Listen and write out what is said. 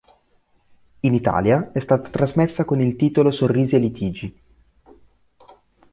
In Italia è stata trasmessa con il titolo "Sorrisi e litigi".